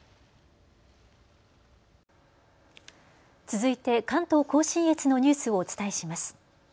続いて関東甲信越のニュースをお伝えします。